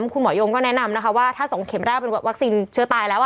คุณหมอยงก็แนะนำนะคะว่าถ้า๒เข็มแรกเป็นวัคซีนเชื้อตายแล้ว